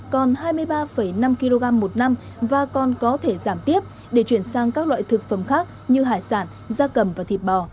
còn hai mươi ba năm kg một năm và còn có thể giảm tiếp để chuyển sang các loại thực phẩm khác như hải sản da cầm và thịt bò